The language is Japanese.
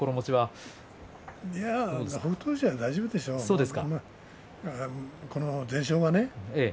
富士は大丈夫でしょう、全勝はね。